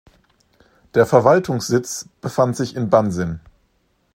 Der Verwaltungssitz befand sich in Bansin.